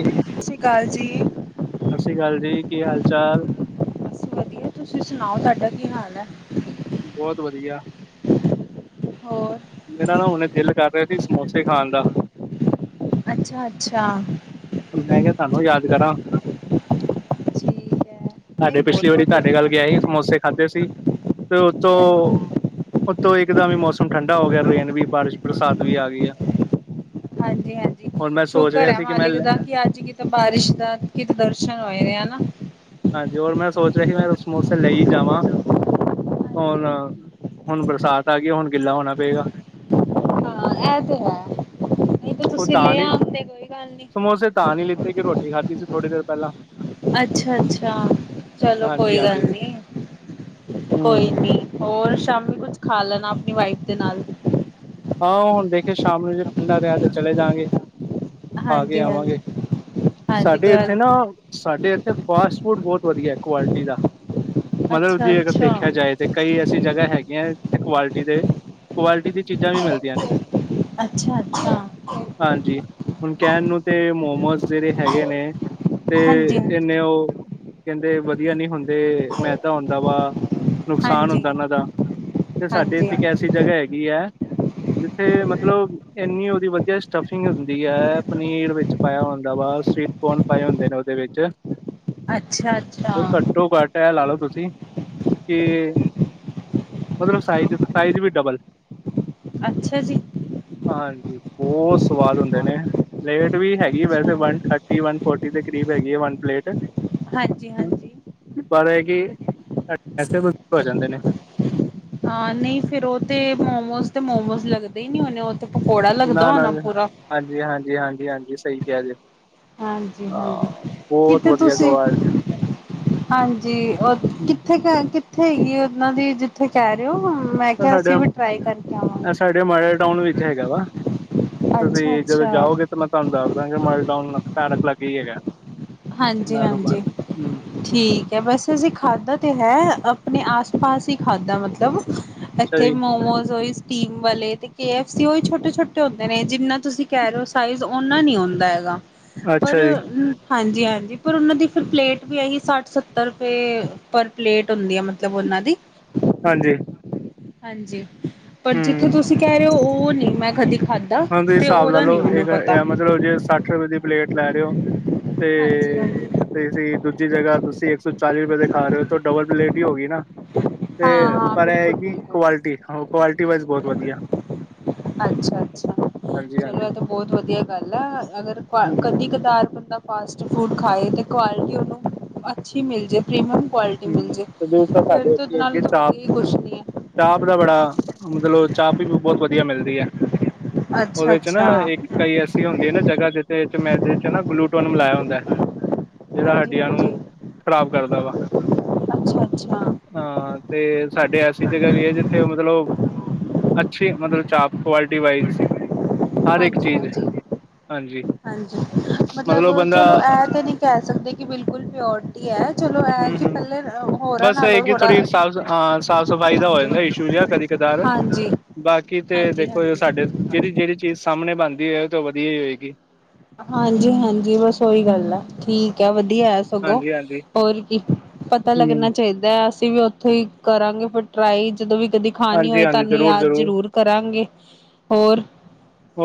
ਸਤਿ ਸ਼੍ਰੀ ਅਕਾਲ ਜੀ। ਸ੍ਰੀ ਅਕਾਲ ਜੀ ਕੀ ਹਾਲ ਚਾਲ ਬਸ ਵਧੀਆ ਤੁਸੀਂ ਸੁਣਾਓ ਤੁਹਾਡਾ ਕੀ ਹਾਲ ਹੈ ਬਹੁਤ ਵਧੀਆ ਹੋਰ ਮੇਰਾ ਨਾ ਹੁਣੇ ਦਿਲ ਕਰ ਰਿਹਾ ਸੀ ਸਮੋਸੇ ਖਾਣ ਦਾ ਅੱਛਾ ਅੱਛਾ ਮੈਂ ਕਿਹਾ ਤੁਹਾਨੂੰ ਯਾਦ ਕਰਾਂ ਠੀਕ ਹੈ ਨਹੀਂ ਸਾਡੇ ਬਹੁਤ ਪਿਛਲੀ ਵਾਰੀ ਵਧੀਆ ਤੁਹਾਡੇ ਗੱਲ ਗਿਆ ਸੀ ਸਮੋਸੇ ਖਾਧੇ ਸੀ ਤੇ ਉਥੋਂ ਉਤੋ ਇੱਕਦਮ ਵੀ ਮੌਸਮ ਠੰਢਾ ਹੋ ਗਿਆ ਰੇਨ ਵੀ ਬਾਰਿਸ਼ ਬਰਸਾਤ ਵੀ ਆ ਗਈ ਆ ਹਾਂਜੀ ਹਾਂਜੀ ਸ਼ੁਕਰ ਹੈ ਸੀ ਕਿ ਮੈਂ ਮਾਲਿਕ ਲੈ- ਦਾ ਕਿ ਅੱਜ ਕਿਤੇ ਬਾਰਿਸ਼ ਦਾ ਕਿਤੇ ਦਰਸ਼ਨ ਹੋਏ ਨੇ ਹਨਾ। ਹਾਂਜੀ ਹੋਰ ਮੈਂ ਸੋਚ ਰਿਹਾ ਸੀ, ਮੈਂ ਸਮੋਸੇ ਲਈ ਜਾਵਾਂ। ਹੁਣ-ਹੁਣ ਬਰਸਾਤ ਆ ਗਈ ਹੁਣ ਗਿੱਲਾ ਹੋਣਾ ਪਏਗਾ। ਹਾਂ ਇਹ ਤੇ ਹੈ, ਨਹੀਂ ਤੇ ਉਹ ਤੁਸੀਂ ਤਾਂ ਲੈ ਨੀ ਆਂਦੇ ਕੋਈ ਗੱਲ ਨੀ। ਸਮੋਸੇ ਤਾਂ ਨੀ ਲਿੱਤੇ, ਕਿ ਰੋਟੀ ਖਾਧੀ ਸੀ ਥੋੜ੍ਹੀ ਦੇਰ ਪਹਿਲਾਂ ਅੱਛਾ-ਅੱਛਾ, ਚਲੋ ਕੋਈ ਹਾਂਜੀ-ਹਾਂਜੀ, ਗੱਲ ਨੀ ਕੋਈ ਹੂੰ। ਨੀ। ਹੋਰ ਸ਼ਾਮੀ ਕੁਛ ਖਾ ਲੈਣਾ, ਆਪਣੀ ਵਾਈਫ ਦੇ ਨਾਲ ਹਾਂ ਹੁਣ ਦੇਖੇ ਸ਼ਾਮ ਨੂੰ ਜੇ ਠੰਡਾ ਰਿਹਾ ਤੇ ਚਲੇ ਜਾਗੇ। ਆ ਕੇ ਹਾਂਜੀ-ਹਾਂਜੀ, ਆਵਾਂਗੇ, ਹਾਂਜੀ ਹਾਂਜੀ ਸਾਡੇ ਇੱਥੇ ਨਾ ਕੋਈ ਸਾਡੇ ਇੱਥੇ ਫਸਟ ਫੂਡ ਬਹੁਤ ਵਧੀਆ ਕੁਆਲਿਟੀ ਦਾ ਮਤਲਬ ਜੇ ਅਗਰ ਅੱਛਾ-ਅੱਛਾ ਦੇਖਿਆ ਜਾਏ ਤੇ ਕਈ, ਜਗ੍ਹਾ ਹੈਗੀਆਂ, ਜਿੱਥੇ ਕੁਆਲਿਟੀ ਦੇ ਕੁਆਲਿਟੀ ਦੀ ਚੀਜ਼ਾਂ ਵੀ ਮਿਲਦੀਆਂ ਨੇ ਅੱਛਾ-ਅੱਛਾ, ਹਾਂਜੀ, ਹੁਣ ਕਹਿਣ ਨੂੰ ਤੇ ਮੋਮੋਸ ਜਿਹੜੇ ਹੈਗੇ ਨੇ ਤੇ ਹਾਂਜੀ ਹਾਂਜੀ ਇਨੇ ਉਹ ਕਹਿੰਦੇ ਵਧੀਆ ਨੀ ਹੁੰਦੇ ਮੈਂ ਤਾਂ ਹੁੰਦਾ ਵਾ, ਨੁਕਸਾਨ ਹਾਂਜੀ ਹੁੰਦਾ ਉਹਨਾਂ ਦਾ ਤੇ ਸਾਡੇ ਹਾਂਜੀ ਇੱਥੇ ਇੱਕ ਐਸੀ ਜਗ੍ਹਾ ਹੈਗੀ ਹੈ। ਜਿੱਥੇ ਮਤਲਬ ਇੰਨੀ ਉਹਦੀ ਵਧੀਆ ਸਟਫਿੰਗ ਹੁੰਦੀ ਹੈ, ਪਨੀਰ ਵਿੱਚ ਪਾਇਆ ਹੁੰਦਾ ਬਸ ਸਵੀਟ ਕੋਨ ਪਾਏ ਹੁੰਦੇ ਨੇ, ਉਹਦੇ ਵਿੱਚ ਅੱਛਾ ਅੱਛਾ ਇਹ ਘੱਟੋ-ਘੱਟ ਇਹ ਲਾ ਲਓ ਤੁਸੀਂ ਕਿ ਮਤਲਬ ਸਾਈਜ਼-ਸਾਈਜ਼ ਵੀ ਡਬਲ ਅੱਛਾ ਜੀ, ਹਾਂਜੀ ਬਹੁਤ ਸਵਾਦ ਹੁੰਦੇ ਨੇ ਪਲੇਟ ਵੀ ਹੈਗੀ, ਅੱਛਾ ਵੈਸੇ ਵਨ ਥਰਟੀ ਵਨ ਫੋਰਟੀ ਦੇ ਕਰੀਬ ਹੈਗੀ ਹੈ, ਵੰਨ ਪਲੇਟ ਹਾਂਜੀ-ਹਾਂਜੀ, [unintelligible] ਹਾਂ ਨਹੀਂ ਫੇਰ ਉਹ ਤੇ ਮੋਮੋਸ ਤੇ ਮੋਮੋਸ ਲੱਗਦੇ ਨਹੀਂ ਹੋਣੇ। ਤੇ ਪਕੌੜਾ ਲੱਗਦਾ ਨਾ ਨਾ ਹੋਣਾ ਪੂਰਾ ਹਾਂਜੀ ਹਾਂਜੀ ਹਾਂਜੀ ਹਾਂਜੀ, ਸਹੀ ਕਿਹਾ ਜ ਹਾਂਜੀ-ਹਾਂਜੀ ਕਿਥੇ ਤੁਸੀਂ ਗੋਆਲ [inaudible] ਹਾਂਜੀ ਹਮ, ਕਿੱਥੇ ਕੁ ਕਿੱਥੇ ਹੈਗੀ ਐ, ਉਹਨਾਂ ਦੀ ਜਿੱਥੇ ਕਹਿ ਰਹੇ ਹੋ। ਮੈਂ ਤਾਂ ਕਿਹਾ ਸਾਡੇ ਅਸੀਂ ਵੀ ਟਰਾਈ ਕਰਕੇ ਇਹ ਆਵਾਂਗੇ। ਸਾਡੇ ਮਾਡਲ ਟਾਊਨ ਵਿੱਚ ਹੈਗਾ ਵਾ ਅੱਛਾ ਤੁਸੀਂ ਜਦੋਂ ਅੱਛਾ ਜਾਓਗੇ, ਤਾਂ ਮੈਂ ਤੁਹਾਨੂੰ ਦੱਸ ਦਾਂਗੇ ਮਾਲ ਟਾਊਨ ਪਾਰਕ ਲੱਗੇ ਈ ਹੈਗਾ। ਨਾਹਰੋ ਹਾਂਜੀ-ਹਾਂਜੀ ਪਾਰਕ ਹੂੰ ਅੱਛਾ ਠੀਕ ਹੈ ਬਸ ਅਸੀਂ ਖਾਧਾ ਤੇ ਹੈ। ਆਪਣੇ ਆਸ ਪਾਸ ਹੀ ਖਾਧਾ ਮਤਲਬ ਇੱਥੇ ਜੀ ਮੋਮੋਸ ਟੀਮ ਵਾਲੇ ਅਤੇ ਕੇ ਐਫ ਸੀ, ਉਹੀ ਛੋਟੇ-ਛੋਟੇ ਹੁੰਦੇ ਨੇ ਜਿੰਨਾ ਤੁਸੀਂ ਕਹਿ ਰਹੇ ਹੋ ਸਾਈਜ਼ ਓਨਾ ਨਹੀਂ ਹੁੰਦਾ ਹੈਗਾ। ਅੱਛਾ ਪਰ ਜੀ ਹੂੰ, ਹਾਂਜੀ-ਹਾਂਜੀ ਪਰ ਉਹਨਾਂ ਦੀ ਫਿਰ ਪਲੇਟ ਵੀ ਇਹੀ ਸੱਠ ਸੱਤਰ ਰੁਪਏ ਪਰ ਪਲੇਟ ਹੁੰਦੀ ਆ ਮਤਲਬ ਉਹ ਨਾ ਦੀ ਹਾਂਜੀ, ਹਾਂਜੀ, ਪਰ ਜਿੱਥੇ ਹੂੰ ਤੁਸੀਂ ਕਹਿ ਰਹੇ ਹੋ ਉਹ ਨਹੀਂ ਮੈਂ ਕਦੀ ਖਾਧਾ ਹਾਂ ਤੁਸੀ ਤੇ ਹਿਸਾਬ ਲਾ ਉਹਦਾ ਨਹੀਂ ਲਓ, ਮੈਨੂੰ ਪਤਾ ਇਹ ਮਤਲਬ ਜੇ ਸੱਠ ਰੁਪਏ ਦੀ ਪਲੇਟ ਲੈ ਰੇ ਓ ਹਾਂਜੀ ਹਾਂਜੀ ਤੇ ਹਾਂ ਤੁਸੀਂ ਦੂ ਜ ਜਗ੍ਹਾ ਤੁਸੀਂ ਇੱਕ ਸੌ ਚਾਲੀ ਰੁਪਏ ਦਿਖਾ, ਰਹੇ ਹੋ ਡਬਲ ਪਲੇਟ ਹੀ ਹੋ ਗਈ ਨਾ। ਤੇ ਹਾਂ ਪਰ ਇਹ ਹੈ ਬਿਲਕੁਲ ਕਿ ਬਿਲਕੁਲ ਕੁਆਲਿਟੀ-ਕੁਆਲਿਟੀ ਵਾਈਜ਼ ਬਹੁਤ ਵਧੀਆ ਅੱਛਾ-ਅੱਛਾ ਹਾਂਜੀ ਚਲੋ ਹਾਂਜੀ ਇਹ ਤਾਂ ਬਹੁਤ ਵਧੀਆ ਗੱਲ ਆ ਅਗਰ ਹੂੰ ਕਦੀ ਕਦਾਰ ਬੰਦਾ ਫਾਸਟ ਫੂਡ ਖਾਏ ਅਤੇ ਕੁਆਲਿਟੀ ਉਹਨੂੰ ਅੱਛੀ ਮਿਲ ਜਾਏ, ਪ੍ਰੀਮੀਅਮ ਕੁਆਲਿਟੀ ਮਿਲ ਹੂੰ ਜੇ ਤੇ ਫਿਰ ਸਾਡੇ ਤੇ ਉਹਦੇ ਉੱਥੇ ਨਾਲ ਹੈਗੇ ਤਾਂ ਵਧੀਆ ਹੀ ਕੁਛ ਨਹੀਂ ਚਾਪ-ਚਾਪ ਦਾ ਬੜਾ ਮਤਲਬ ਚਾਪ ਵੀ ਬਹੁਤ ਵਧੀਆ ਮਿਲਦੀ ਐ। ਹੈ ਅੱਛਾ ਉਹਦੇ 'ਚ ਨਾ ਅੱਛਾ ਇੱਕ ਕਈ ਐਸੀ ਹੁੰਦੀ ਏ। ਜਗ੍ਹਾ ਜਿਥ ਮੈਂਦੇ 'ਚ ਨਾ ਗਲੂਟੋਨ ਮਲਾਇਆ ਹੁੰਦਾ। ਜਿਹੜਾ ਹਾਂਜੀ ਹੱਡੀਆਂ ਹਾਂਜੀ ਨੂੰ ਖਰਾਬ ਕਰਦਾ ਵਾ ਅੱਛਾ ਅੱਛਾ ਹਾਂ। ਤੇ ਸਾਡੇ ਐਸੀ ਜਗ੍ਹਾ ਵੀ ਏ, ਜਿੱਥੇ ਮਤਲਬ ਅੱਛੀ, ਮਤਲਬ ਚਾਪ ਕੁਆਲਿਟੀ ਵਾਈਜ਼। ਹਰ ਇੱਕ ਹਾਂਜੀ ਚੀਜ਼, ਹਾਂਜੀ ਹਾਂਜੀ। ਹਾਂਜੀ ਮਤਲਬ ਚਲੋ ਇਹ ਤੇ ਨਹੀਂ ਕਹਿ ਸਕਦੇ, ਕਿ ਬਿਲਕੁਲ ਪਿਓਰਟੀ ਐ। ਚਲੋ ਐ ਹੂੰ ਕਿ ਹੂੰ ਪਹਿਲੇ ਹੋਰਾਂ ਬਸ ਇਹ ਨਾਲੋਂ ਕਿ ਹੋੜਾ ਥੋੜ੍ਹੀ ਸਾਫ਼ ਹਾਂ ਸਾਫ਼ ਸਫ਼ਾਈ ਦਾ ਹੋ ਜਾਂਦਾ ਏ, ਇਸ਼ੂ ਜੇਹਾ ਕਦੀ ਕਦਾਰ। ਹਾਂਜੀ ਬਾਕੀ ਤੇ ਹਾਂਜੀ ਦੇਖੋ ਜ ਹਾਂਜੀ ਸਾਡੇ ਜਿਹੜੀ-ਜਿਹੜੀ ਚੀਜ਼ ਸਾਹਮਣੇ ਬਣਦੀ ਹੋਏ, ਤਾਂ ਵਧੀਆ ਹੀ ਹੋਏਗੀ। ਹਾਂਜੀ-ਹਾਂਜੀ ਬਸ ਓਹੀ ਗੱਲ ਆ, ਠੀਕ ਏ ਵਧੀਆ ਏ। ਸਗੋਂ ਹਾਂਜੀ ਹਾਂਜੀ ਹੋਰ ਕੀ, ਪਤਾ ਹੂੰ ਲੱਗਣਾ ਚਾਈਦਾ। ਅਸੀਂ ਵੀ ਉੱਥੋ ਹੀ ਕਰਾਂਗੇ ਪਰ ਟਰਾਈ, ਜਦੋਂ ਵੀ ਤੇ ਦਿਖਾਣੀ ਹਾਂਜੀ ਹੋਏ, ਹਾਂਜੀ ਤੁਹਾਨੂੰ ਜ਼ਰੂਰ ਯਾਦ ਜ਼ਰੂਰ ਕਰਾਂਗੇ। ਹੋਰ?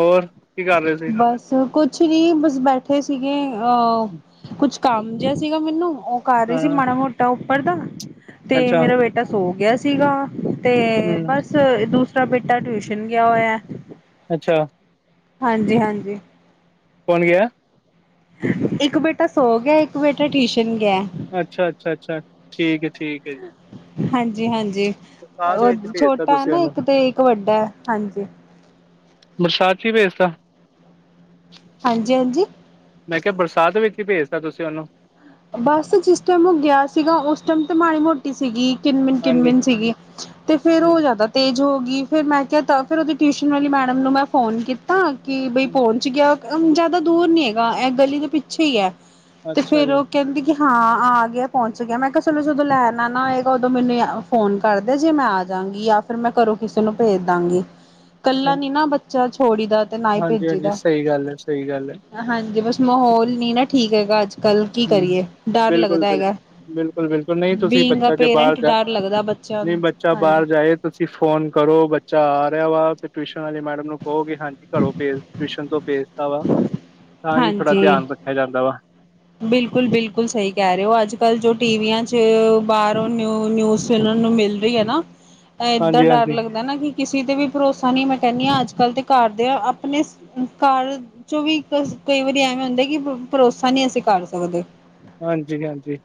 ਹੋਰ? ਕੀ ਕਰ ਰਹੇ ਸੀ? ਬਸ ਕੁਛ ਨੀ, ਬਸ ਬੈਠੇ ਸੀਗੇ। ਅ ਕੁਛ ਕੰਮ ਜਿਹਾ ਸੀਗਾ ਮੈਨੂੰ ਉਹ ਕਰ ਰਹੀ ਸੀ ਹਾਂ ਮਾੜਾ ਮੋਟਾ ਉੱਪਰ ਦਾ, ਤੇ ਅੱਛਾ ਮੇਰਾ ਬੇਟਾ ਸੋ ਗਿਆ ਸੀਗਾ। ਤੇ ਹੂੰ ਬਸ ਦੂਸਰਾ ਬੇਟਾ ਟਿਊਸ਼ਨ ਗਿਆ ਹੋਇਆ ਏ। ਅੱਛਾ। ਹਾਂਜੀ-ਹਾਂਜੀ। ਕੋਣ ਗਿਆ? ਇੱਕ ਬੇਟਾ ਸੌ ਗਿਆ, ਇੱਕ ਬੇਟਾ ਟੀਸ਼ ਅੱਛਾ-ਅੱਛਾ-ਅੱਛਾ, ਠੀਕ ਹੈ, ਠੀਕ ਹੈ ਜੀ। ਹਾਂਜੀ-ਹਾਂਜੀ ਬਰਸਾਤ ਓ ਵਿੱਚ ਭੇਜਤਾ ਛੋਟਾ ਹੈ ਤੁਸੀਂ ਨਾ ਉਹਨੂੰ ਇੱਕ ਤੇ, ਇੱਕ ਵੱਡਾ ਏ। ਹਾਂਜੀ। ਬਰਸਾਤ ਚ ਈ ਭੇਜਤਾ? ਹਾਂਜੀ-ਹਾਂਜੀ। ਮੈਂ ਕਿਹਾ, ਬਰਸਾਤ ਵਿੱਚ ਈ ਭੇਜਤਾ ਤੁਸੀ ਓਨੂੰ? ਬਸ ਜਿਸ ਟਾਈਮ ਔਹ ਗਿਆ ਸੀਗਾ, ਉਸ ਟਾਈਮ ਤੇ ਮਾੜੀ ਮੋਟੀ ਸੀਗੀ। ਹਾਂਜੀ। ਕਿਨਮਿਨ-ਕਿੰਨਮਿਨ ਸੀਗੀ, ਤੇ ਫੇਰ ਔ ਹਾਂਜੀ। ਜ਼ਿਆਦਾ ਤੇਜ਼ ਹੋ ਗੀ। ਫਿਰ ਮੈਂ ਕਿਆ ਤਾਂ, ਫਿਰ ਓਦੀ ਟਿਊਸ਼ਨ ਵਾਲੀ ਮੈਡਮ ਨੂੰ ਮੈਂ ਫੋਨ ਕੀਤਾ, ਕਿ ਬਈ ਪਹੁੰਚ ਗਿਆ? ਅਮ ਜਾਦਾ ਦੂਰ ਨੀ ਹੈਗਾ, ਐ ਗਲੀ ਦੇ ਪਿੱਛੇ ਈ ਐ। ਅੱਛਾ ਜੀ। ਕਹਦੀ ਕਿ ਹਾਂ ਆ ਗਿਆ ਏ, ਪੌਂਚ ਗਿਆ ਏ, ਮੈਂ ਕਿਹਾ ਚਲੋ ਜਦੋਂ ਲੈਣਾ ਆਨਾ ਹੋਏਗਾ, ਓਦੋਂ ਮੈਨੂੰ ਯਾ ਫੋਨ ਕਰ ਦੇਯਾ ਜੇ ਮੈਂ ਆ ਜਾਂਗੀ, ਯਾ ਫੇਰ ਮੈਂ ਘਰੋਂ ਕਿਸੇ ਨੂੰ ਭੇਜ ਦਾਂਗੀ। ਕੱਲਾ ਨੀ ਨਾ ਬੱਚਾ ਛੋੜੀ ਦਾ ਤੇ ਨਾ ਹੀ ਹਾਂਜੀ ਭੇਜੀ ਹਾਂਜੀ ਦਾ। ਸਹੀ ਗੱਲ ਹੈ ਸਹੀ ਗੱਲ ਹੈ ਹਾਂਜੀ, ਬਸ ਮਾਹੌਲ ਨੀ ਨਾ ਠੀਕ ਹੈਗਾ ਅੱਜ ਕੱਲ। ਕੀ ਕਰੀਏ? ਡਰ ਲੱਗਦਾ ਹੈਗਾ। ਬਿਲਕੁਲ-ਬਿਲਕੁਲ, ਨਈ ਤੁਸੀ ਬੀਂਗ ਆ ਬੱਚਾ ਜੇਹਾ ਬਾਰ ਪੇਰੈਂਟ ਜਾ, ਡਰ ਲੱਗਦਾ ਬੱਚਿਆਂ ਨਈ ਨੂੰ ਬੱਚਾ ਹਾਂਜੀ ਬਾਰ ਜਾਏ ਤੁਸੀ ਫੋਨ ਕਰੋ ਬੱਚਾ ਆ ਗਆ ਵਾ, ਤੇ ਟਿਊਸ਼ਨ ਵਾਲੀ ਮੈਡਮ ਨੂੰ ਕਹੋ, ਕੇ ਹਾਂਜੀ ਘਰੋਂ ਭੇਜ ਟਿਊਸ਼ਨ ਤੋਂ ਭੇਜਤਾ ਵਾ। ਤਾਂ ਹੀ ਥੋੜ੍ਹਾ ਧਿਆਨ ਰੱਖਿਆ ਜਾਂਦਾ ਵਾ। ਬਿਲਕੁਲ-ਬਿਲਕੁਲ ਸਈ ਕਹਿ ਰਹੇ ਹੋ, ਅੱਜ ਕੱਲ ਜੋ ਟੀਵੀਆਂ ਚ ਬਾਹਰੋਂ ਨਿਊ ਨਿਊਜ਼ ਚ ਨੂੰ ਮਿਲ ਰਹੀ ਏ ਨਾ, ਏਦਾਂ ਹਾਂਜੀ ਡਰ ਹਾਂਜੀ ਲੱਗਦਾ ਨਾ ਕਿ ਕਿਸੇ ਤੇ ਵੀ ਭਰੋਸਾ ਨਈ, ਮੈਂ ਕਹਿੰਣੀ ਆ ਅੱਜ ਕੱਲ੍ਹ ਤੇ ਘਰ ਦੇ ਆਪਣੇ ਘਰ ਚੋਂ ਵੀ ਕਈ ਵਾਰੀ ਐਵੇਂ ਹੁੰਦਾ, ਕਿ ਪ ਭਰੋਸਾ ਨਈ ਅਸੀ ਕਰ ਸਕਦੇ। ਹਾਂਜੀ-ਹਾਂਜੀ।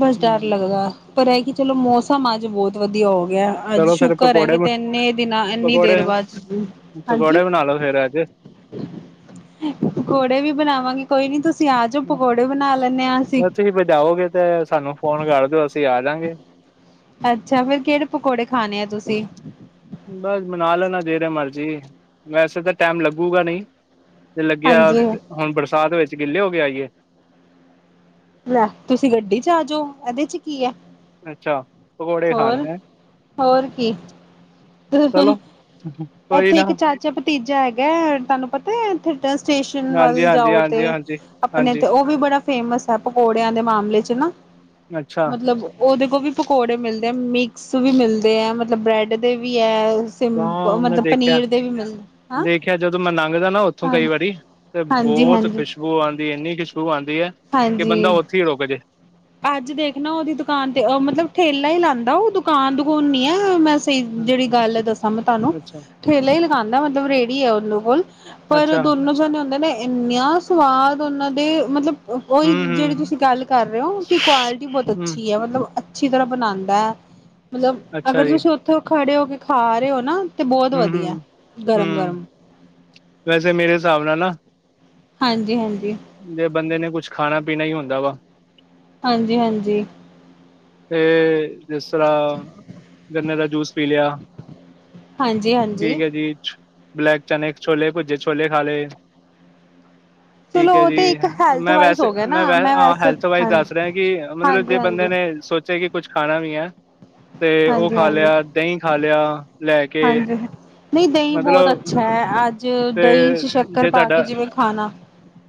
ਬਸ ਡਰ ਲੱਗਦਾ, ਪਰ ਐ ਕਿ ਚਲੋ ਮੌਸਮ ਅੱਜ ਬਹੋਤ ਵਧੀਆ ਹੋ ਗਆ, ਅੱਜ ਚਲੋ ਫੇਰ ਸ਼ੁਕਰ ਏ ਪਕੌੜੇ ਕਿਤੇ ਇੰਨੇ ਦਿਨਾਂ, ਏਨੀ ਦੇਰ ਪਕੌੜੇ ਬਾਦ, ਹਾਂਜੀ? ਪਕੌੜੇ ਬਣਾ ਲੋ ਫੇਰ ਅੱਜ ਪਕੌੜੇ ਵੀ ਬਣਾਵਾਂਗੀ। ਕੋਈ ਨੀ ਤੁਸੀ ਆ ਜੋ, ਪਕੌੜੇ ਬਣਾ ਲੈਂਨੇ ਆਂ ਅਸੀ। ਬਸ ਤੁਸੀਂ ਭਜਾਓਗੇ ਤੇ ਸਾਨੂੰ ਫੋਨ ਕਰ ਦਿਓ ਅਸੀ ਆਜਾਂਗੇ। ਅੱਛਾ, ਫੇਰ ਕੇਹੜੇ ਪਕੌੜੇ ਖਾਣੇ ਏ ਤੁਸੀ? ਬਸ ਬਨਾ ਲੈਣਾ ਜੇੜੇ ਮਰਜ਼ੀ। ਵੈਸੇ ਤੇ ਟੈਮ ਲੱਗੂਗਾ ਨਈ। ਤੇ ਲੱਗਿਆ, ਹਾਂਜੀ ਹੁਣ ਬਰਸਾਤ ਵਿੱਚ ਗਿੱਲੇ ਹੋ ਕੇ ਆਈਏ? ਲੈ, ਤੁਸੀ ਗੱਡੀ'ਚ ਆਜੋ, ਐਦੇ'ਚ ਕੀ ਐ। ਅੱਛਾ ਪਕੌੜੇ ਖਾਣ ਹੋਰ, ਹੈਂ ਹੋਰ ਕੀ। ਚਲੋ ਕੋਈ ਐਥੇ ਨਾ ਇੱਕ ਚਾਚਾ ਭਤੀਜਾ ਹੈਗਾ ਐ, ਤੁਹਾਨੂੰ ਪਤਾ ਐ, ਐਥੇ ਸਟੇਸ਼ਨ ਹਾਂਜੀ, ਵੱਲ ਹਾਂਜੀ, ਜਾਓ ਤੇ, ਹਾਂਜੀ, ਹਾਂਜੀ, ਅਪਣੇ ਹਾਂਜੀ ਤੇ ਉਹ ਵੀ ਬੜਾ ਫੇਮਸ ਪਕੌੜਿਆਂ ਦੇ ਮਾਮਲੇ'ਚ ਨਾ। ਅੱਛਾ ਮਤਲਬ ਓਦੇ ਕੋਵੀ ਪਕੌੜੇ ਮਿਲਦੇ ਆ, ਮਿਕਸ ਵੀ ਮਿਲਦੇ ਐ। ਮਤਲਬ ਬ੍ਰੈਡ ਦੇਵੀ ਐ। ਸਿੰਪ ਮਤਲਬ ਪਨੀਰ ਦੇ ਵੀ ਮਿਲ ਦੇਖੇਆ ਜਦੋਂ ਮੈਂ, ਨੰਘਦਾ ਨਾ ਉੱਥੋਂ ਕਈ ਵਾਰੀ ਤੇ, ਹਾਂਜੀ ਬੋਤ ਹਾਂਜੀ ਖੁਸ਼ਬੂ ਆਂਦੀ ਏਨੀ ਖੁਸ਼ਬੂ ਆਂਦੀ ਆਂਦੀ ਹੈ, ਕਿ, ਬੰਦਾ ਹਾਂਜੀ ਓਥੇ ਈ ਰੁਕਜੇ। ਅੱਜ ਦੇਖ ਨਾ ਓਦੀ ਦੁਕਾਨ ਤੇ, ਅ ਮਤਲਬ ਠੇਲਾ ਈ ਲਾਂਦਾ ਓ ਦੁਕਾਨ ਦੁਕੁਨ ਨੀ, ਐ, ਮੈਂ ਸਹੀ ਜੇਹੜੀ ਗੱਲ ਏ, ਦੱਸਾਂ ਮੈਂ ਤੁਹਾਨੂੰ। ਅੱਛਾ, ਠੇਲਾ ਈ ਲਗਾਂਦਾ ਮਤਲਬ ਰੇਹੜੀ ਹੈ, ਓਲੋ ਕੋਲ ਪਰ ਅੱਛਾ ਦੋਨੋ ਜਣੇ ਹੁੰਦੇ ਨੇ ਇੰਨੀਆਂ ਸਵਾਦ ਓਹਨਾਂ ਦੇ, ਮਤਲਬ। ਓਹੀ, ਹੂੰ, ਜੇਹੜੀ ਹੂੰ, ਤੁਸੀ ਗੱਲ ਕਰ ਰਹੇ ਓ। ਕੁਆਲਿਟੀ ਬਹੁਤ ਹੂੰ ਅੱਛੀ ਹੈ। ਮਤਲਬ ਅੱਛੀ- ਤਰ੍ਹਾਂ ਬਣਾਂਦਾ ਮਤਲਬ, ਅੱਛਾ ਅਗਰ ਜੀ ਤੁਸੀ ਔਥੋ ਖੜੇ ਹੋਕੇ, ਖਾ-ਰਹੇ, ਹੋ, ਨਾ ਤੇ ਬੋਤ ਹੂੰ, ਵਧੀਆ, ਹੂੰ, ਹੂੰ ਗਰਮ-ਗਰਮ। ਵੈਸੇ ਮੇਰੇ ਹਿਸਾਬ ਨਾਲ ਨਾ ਹਾਂਜੀ- ਹਾਂਜੀ‌। ਜੇ ਬੰਦੇ ਨੇ, ਕੁਛ ਖਾਣਾ-ਪੀਣਾ ਹੀ ਹੁੰਦਾ ਵਾ ਹਾਂਜੀ-ਹਾਜੀ। ਤੇ, ਜਿਸ ਤਰ੍ਹਾਂ ਗੰਨੇ ਦਾ ਜੂਸ ਪੀ ਲਿਆ। ਹਾਂਜੀ ਹਾਂਜੀ ਪੀਕੇ, ਜੀ'ਚ ਬਲੈਕ ਚਨੇ, ਛੋਲੇ ਭੁਜੇ, ਛੋਲੇ ਖਾ ਲਏ। ਠੀਕ ਚਲੋ ਹੈ ਉਹ ਜੀ। ਤੇ ਇੱਕ ਹੈਲਥ ''ਮੈਂ ਵਾਈਜ਼ ਹੋ ਵੈਸੇ, ਗਿਆ ਮੈਂ, ਨਾ ਹਾਂ ਵੈਸੇ ਹੈਲਥ ਵਾਈਜ਼ ਹਾਂਜੀ ਦੱਸ ਰਿਹਾ ਕਿ ਮਤਲਬ ਹਾਂਜੀ ਹਾਂਜੀ ਜੇ ਬੰਦੇ ਨੇ ਹਾਂਜੀ ਮੇਂ ਸੋਚ ਕਿ ਕੁਛ ਖਾਣਾ ਵੀ ਹੈ, ਤੇ ਉਹ ਖਾ ਹਾਂਜੀ ਲਿਆ, ਦਹੀਂ-ਖਾ ਲਿਆ ਲੈਕੇ। ਹਾਂਜੀ ਨਹੀਂ, ਦਹੀਂ ਬਹੁਤ ਅੱਛਾ ਹੈ‌। ਅੱਜ ਦਹੀਂ ਤੇ, ਚ ਸ਼ੱਕਰ ਜੇ ਪਾ ਕੇ ਤੁਹਾਡਾ ਜਿਵੇਂ ਖਾਣਾ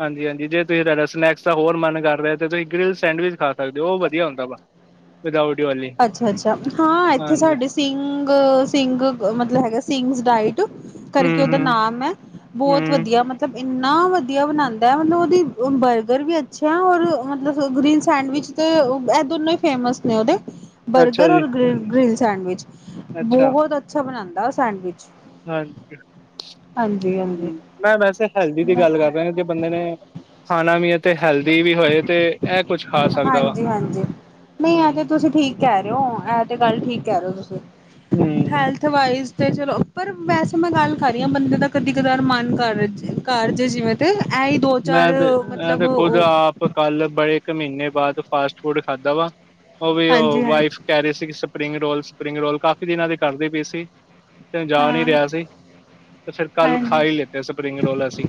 ਹਾਂਜੀ-ਹਾਂਜੀ ਜੇ ਤੁਸੀਂ ਤੁਹਾਡਾ ਸਨੈਕਸ ਹੋਰ ਮਨ ਕਰ ਰਿਹਾ ਤੇ, ਤੁਸੀਂ ਗ੍ਰੀਲ ਸੈਂਡਵਿਚ ਖਾ ਸਕਦੇ ਹੋ। ਉਹ ਵਧੀਆ ਹੁੰਦਾ ਵਾ। ਵੀਦਾਉਟ ਅੱਛਾ-ਅੱਛਾ, ਹਾਂ। ਇੱਥੇ ਸਾਡੇ ਸਿੰਘ, ਸਿੰਘ ਮਤਲਬ ਹੈਗਾ ਸਿੰਘਜ ਡਾਇਟ ਕਰਕੇ ਹੂੰ ਉਹਦਾ ਹੂੰ ਨਾਮ ਹੈ, ਬਹੁਤ ਹੂੰ ਵਧੀਆ। ਮਤਲਬ ਇੰਨਾ ਵਧੀਆ ਬਣਾਂਦਾ ਹੈ, ਮਤਲਬ। ਉਹਦੀ ਬਰਗਰ ਵੀ ਅੱਛੀ ਹੈ, ਔਰ ਮਤਲਬ ਗ੍ਰੀਨ ਸੈਂਡਵਿਚ ਤੇ, ਇਹ ਦੋਨੋ ਹੀ, ਫੇਮਸ ਨੇ ਉਹਦੇ ਅੱਛਾ ਬਰਗਰ ਜੀ ਔਰ ਗ ਗ੍ਰੀਨ ਸੈਂਡਵਿਚ ਅੱਛਾ ਬਹੁਤ ਅੱਛਾ ਬਣਾਂਦਾ ਸੈਂਡਵਿਚ। ਹਾਂਜੀ। ਹਾਂਜੀ-ਹਾਂਜੀ ਹੂੰ, ਮੈਂ, ਵੈਸੇ ਹੈਲਦੀ ਦੀ ਗੱਲ ਕਰਦੇ ਨੇ, ਜੇ ਬੰਦੇ ਨੇ ਖਾਣਾ ਵੀ ਏ, ਤੇ ਹੈਲਦੀ ਵੀ ਹੋਏ ਤੇ ਇਹ ਕੁਛ ਖਾ ਸਕਦਾ ਵਾ ਹਾਂਜੀ- ਹਾਂਜੀ। ਨਹੀਂ ਹੂੰ ਆਜ ਤੁਸੀਂ ਠੀਕ ਕਹਿ ਰਹੇ ਹੋ, ਐ, ਤੇ ਗੱਲ ਠੀਕ ਕਹਿ ਰਹੇ ਹੋ ਤੁਸੀਂ ਹੂੰ ਹੈਲਥ ਵਾਇਸ ਤੇ ਚਲੋ, ਪਰ ਵੈਸੇ ਮੈਂ ਗੱਲ ਕਰਰੀ ਹਾਂ, ਬੰਦੇ ਦਾ ਕਦੀ- ਕਦਾਰ ਮਨ ਕਰ ਕਾਰਜੇ ਜਿਵੇਂ ਤੇ ਇਹੀ ਦੋ ਚਾਰ ਮੈਂ, ਤੇ, ਮੈਂ, ਮਤਲਬ ਤੇ, ਖੁਦ ਉਹ ਆਪ ਕੱਲ ਬੜੇ ਇੱਕ ਮਹੀਨੇ ਬਾਅਦ ਫਾਸਟ ਫੂਡ ਖਾਧਾ ਵਾ, ਉਹ ਵੀ ਹਾਂਜੀ ਉਹ, ਹਾਂ ਵਾਈਫ ਕਹਿ ਰਹੇ ਸੀ ਕਿ ਸਪ੍ਰੀੰਗ- ਰੋਲ, ਸ੍ਰਪ੍ਰੀਂਗ-ਰੋਲ ਕਾਫੀ ਦਿਨਾਂ ਦੀ ਕਰਦੀ ਪਈ ਸੀ, ਤੇ, ਜਾ ਨਹੀ, ਹਾਂ ਰਿਹਾ ਸੀ। ਤੇ ਫਿਰ ਕੱਲ ਖਾ ਹਾਂਜੀ ਹੀ ਲੀੱਤੇ ਸਪ੍ਰੀਂਗ-ਰੋਲ, ਅਸੀਂ।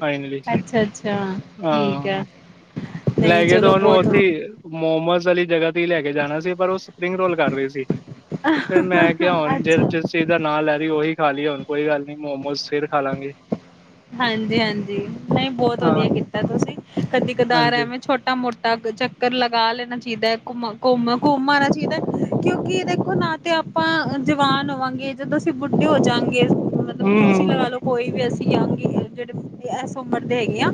ਫਾਈਨਲੀ। ਅੱਛਾ -ਅੱਛਾ। ਠੀਕ ਆ। ਹਾਂ ਲੈ ਗਏ ਤੋ, ਉਹਨੂੰ ਉੱਥੇ ਮੋਮੋਜ ਵਾਲੀ ਜਗ੍ਹਾ ਲੈਕੇ ਜਾਣਾ ਸੀ ਪਰ ਉਹ ਸਪ੍ਰੀੰਗ- ਰੋਲ ਕਰ ਰਹੇ ਸੀ। ਫਿਰ, ਮੈਂ ਕਿਹਾ ਹੁਣ ਜੇ, ਅੱਛਾ ਜਿਸ ਚੀਜ਼ ਦਾ, ਨਾਂ, ਲੈ-ਰਹੀ, ਉਹੀ ਖਾਲੀਏ ਹੁਣ ਕੋਈ ਗੱਲ ਨੀ, ਮੋਮੋਸ ਫਿਰ ਖਾਲਾਂਗੇ। ਹਾਂਜੀ-ਹਾਂਜੀ। ਨਹੀਂ, ਬਹੁਤ ਹਾਂ ਵਧੀਆ ਕੀਤਾ ਤੁਸੀਂ। ਕਦੀ- ਕਦਾਰ ਹਾਂਜੀ ਐਵੇਂ, ਛੋਟਾ- ਮੋਟਾ ਚੱਕਰ ਲਗਾ ਲੈਣਾ ਚਾਹੀਦਾ ਹੇ। ਘੁੰਮ-ਘੰਮ -ਘੁੰਮ ਆਣਾ ਚਾਹੀਦਾ। ਕਿਉਂਕਿ, ਦੇਖੋ ਨਾ, ਤੇ ਆਪ ਆਪਾਂ ਜਵਾਨ ਹੋਵਾਂਗੇ ਜਦੋਂ ਅਸੀਂ ਬੁੱਢੇ ਹੋ ਜਾਂਗੇ, ਹੂੰ ਮਤਲਬ ਤੁਸੀ ਹੂੰ ਲਗਾ ਲੋ ਕੋਈ ਵੀ ਅਸੀਂ ਯਾਂ ਜਿਹੜੇ ਐਸੇ ਬੰਦੇ ਹੈਗੇ ਆ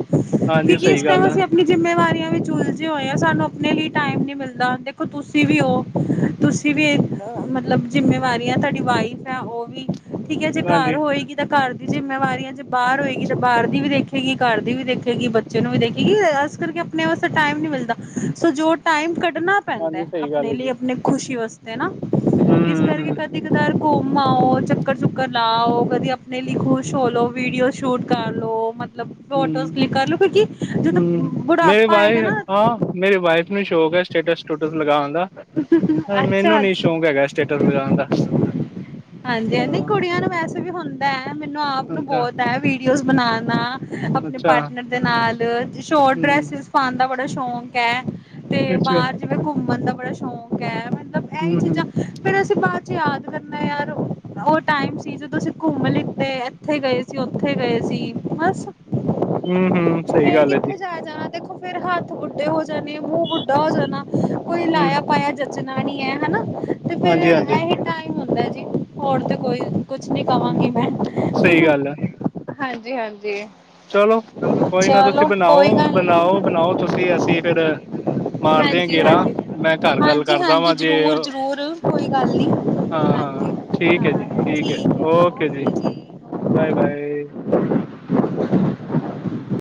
ਕਿ ਹਾਂਜੀ ਕਿਸ ਸਹੀ ਟੈਮ ਗੱਲ ਆ ਅਸੀਂ ਆਪਣੀ ਜਿੰਮੇਵਾਰੀ ਉਲਝੇ ਹੋਏ ਆ ਸਾਨੂੰ ਆਪਣੇ ਲਈ ਟਾਈਮ ਨੀ ਮਿਲਦਾ ਦੇਖੋ ਤੁਸੀਂ ਵੀ ਹੋ ਤਸੀਂ ਵੀ ਮਤਲਬ ਜਿੰਮੇਵਾਰੀ ਆ ਤੁਹਾਡੀ ਵਾਈਫ ਹੈ ਉਹ ਵੀ ਠੀਕ ਹੈ ਜੇ ਘਰ ਹਾਂਜੀ ਹੋਏਗੀ ਤਾਂ ਘਰ ਦੀ ਜਿੰਮੇਵਾਰਿਆ ਚ ਬਾਹਰ ਹੋਏਗੀ ਤਾਂ ਬਾਹਰ ਦੀ ਵੀ ਦੇਖੇਗੀ, ਘਰ ਦੀ ਵੀ ਦੇਖੇਗੀ, ਬੱਚੇ ਨੂੰ ਵੀ ਦੇਖੇਗੀ, ਇਸ ਕਰਕੇ ਆਪਣੇ ਵਾਸਤੇ ਟਾਈਮ ਨਹੀਂ ਮਿਲਦਾ ਸੋ ਜੋ ਟਾਈਮ ਘੱ ਕੱਢਣਾ ਪੈਂਦਾ ਹਾਂਜੀ ਸਹੀ ਗੱਲ ਆਪਣੇ ਹੈ ਲਈ ਜੀ ਆਪਣੀ ਖੁਸ਼ੀ ਵਾਸਤੇ ਨਾ ਇਸ ਹੂੰ ਕਰਕੇ ਹੂੰ ਕਦੀ ਕਦਾਰ ਘੁੰਮ ਆਓ ਚੱਕਰ ਚੁੱਕਰ ਲਾਓ ਕਦੇ ਆਪਣੇ ਲਈ ਖੁਸ਼ ਹੋ ਲੋ ਵੀਡੀਓ ਸ਼ੂਟ ਕਰ ਲੋ ਮਤਲਬ ਹੂੰ ਫੋਟੋਜ਼ ਹੂੰ ਕਲਿਕ ਕਰ ਲਓ ਕਿਉਂਕਿ ਜਦੋਂ ਹੂੰ ਮੇਰੇ ਬੁਢਾਪਾ ਆਏਗਾ ਵਾਈਫ ਨਾ ਹਾਂ ਮੇਰੀ ਵਾਈਫ ਨੂੰ ਸ਼ੌਕ ਸਟੇਟਸ ਸਟੂਟਸ ਲਗਾਣ ਦਾ ਮੈਨੂੰ ਅੱਛਾ ਨੀ ਅੱਛਾ ਸ਼ੌਕ ਹੈਗਾ ਸਟੇਟਸ ਲਗਾਣ ਦਾ ਹਾਂਜੀ, ਹਾਂ ਕੁੜੀਆਂ ਨੂੰ ਵੈਸੇ ਵੀ ਹੁੰਦਾ, ਮੈਨੂੰ ਆਪ ਨੂੰ ਅੱਛਾ ਬਹੁਤ ਹੈ ਵੀ ਵੀਡੀਓਸ ਬਣਾਣਾ ਆਪਣੇ ਅੱਛਾ ਪਾਰਟਨਰ ਦੇ ਨਾਲ ਸ਼ੋਰਟ ਹੂੰ ਡ੍ਰੈਸਸਿਸ ਪਾਣ ਦਾ ਬੜਾ ਸ਼ੌਕ ਐ ਤੇ ਅੱਛਾ ਬਾਹਰ ਜਿਵੇਂ ਘੁੰਮਣ ਦਾ ਬੜਾ ਸ਼ੌਕ ਹੈ ਮ ਮਤਲਬ ਇਹੀ ਹੂੰ ਹੂੰ ਚੀਜ਼ਾਂ ਫੇਿਰ ਅਸੀਂ ਬਾਅਦ ਚ ਯਾਦ ਕਰਨਾ ਯਾਰ ਉਹ ਟਾਈਮ ਸੀ ਜਦੋਂ ਅਸੀਂ ਘੁੰਮ ਲਿੱਤੇ ਇੱਥੇ ਗਏ ਸੀ, ਉੱਥੇ ਗਏ ਸੀ ਬਸ- ਹੂੰ-ਹੂੰ ਸਹੀ ਫੇਰ ਗੱਲ ਹੈ ਜੀ। ਕਿੱਥੇ ਜਾਇਆ ਜਾਣਾ ਦੇਖੋ ਫਿਰੇ ਹੱਥ ਬੁੱਡੇ ਹੋ ਜਾਣੇ ਮੂੰਹ ਬੁੱਢਾ ਹੋ ਜਾਣਾ ਕੋਈ ਲਾਇਆ- ਮੈ ਜਚਨਾ ਨੀ ਹੈ ਹਨਾ। ਹਾਂਜੀ-ਹਾਂਜੀ। ਲੈਜੀ ਹੋਰ ਤੇ, ਕੋਈ, ਕੁਛ ਨੀ ਹੂੰ ਕਵਾਂਗੀ 'ਮੈਂ ਸਹੀ ਗੱਲ ਆ ਹਾਂਜੀ-ਹਾਂਜੀ। ਚਲੋ ਕੋਈ ਨਾ ਤੁਸੀਂ ਕੋਈ ਗੱਲ ਨੀ ਬਣਾਓ-ਬਣਾਓ-ਬਣਾਓ ਤੁਸੀਂ ਅਸੀਂ ਫੇਰ ਮਾਰਦੇ ਆ ਹਾਂਜੀ ਗੇੜਾਂ ਹਾਂਜੀ ਮੈਂ ਘੱਰ ਗੱਲ ਹਾਂਜੀ ਕਰਦਾ ਹਾਂਜੀ ਵਾਂ ਜੇ ਜ਼ਰੂਰ ਜ਼ਰੂਰ ਕੋਈ ਗੱਲ ਨੀ ਹਾਂ-ਹਾਂ ਹਾਂਜੀ ਠੀਕ ਹੈ ਜੀ, ਹਾਂ ਠੀਕ ਹੈ ਉਕੇ ਜੀ ਓਕੇ ਬਾਏ-ਬਾਏ